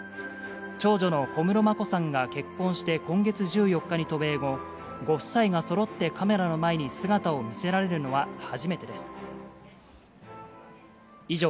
長女の小室眞子さんが結婚して、今月１４日に渡米後、ご夫妻がそろってカメラの前に姿を見せられるのは初めてです。